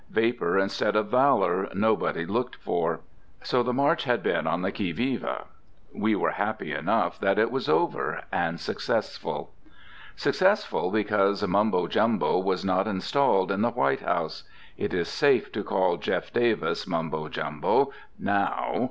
Vapor instead of valor nobody looked for. So the march had been on the qui vive. We were happy enough that it was over, and successful. Successful, because Mumbo Jumbo was not installed in the White House. It is safe to call Jeff. Davis Mumbo Jumbo now.